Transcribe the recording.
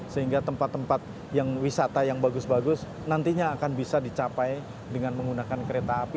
sehingga tempat tempat yang wisata yang bagus bagus nantinya akan bisa dicapai dengan menggunakan kereta api